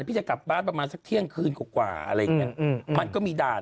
พี่จะกลับบ้านประมาณสักเที่ยงคืนกว่ากว่าอะไรอย่างเงี้ยอืมมันก็มีด่าน